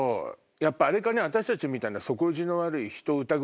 やっぱあれかね私たちみたいな。